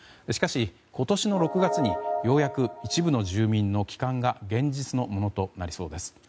しかし、今年の６月にようやく一部の住民の帰還が現実のものとなりそうです。